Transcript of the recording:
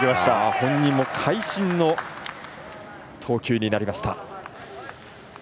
本人も会心の投球になりました。